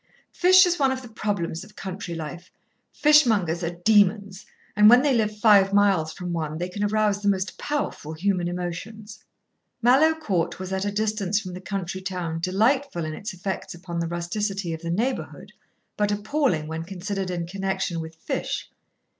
Fish is one of the problems of country life. Fishmongers are demons, and when they live five miles from one they can arouse the most powerful human emotions." Mallowe Court was at a distance from the country town delightful in its effects upon the rusticity of the neighbourhood, but appalling when considered in connection with fish.